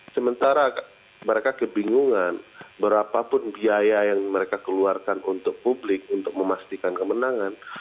sementara mereka kebingungan berapapun biaya yang mereka keluarkan untuk publik untuk memastikan kemenangan